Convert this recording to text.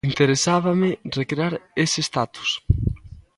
Interesábame recrear ese status.